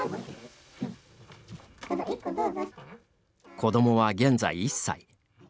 子どもは、現在１歳。